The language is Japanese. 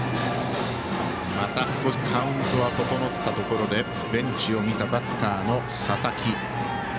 またカウントが整ったところでベンチを見たバッターの佐々木。